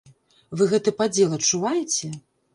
Вы гэты падзел адчуваеце?